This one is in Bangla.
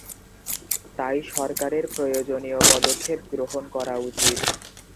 তাই সরকারের প্রয়োজনীয় পদক্ষেপ গ্রহণ করা উচিত।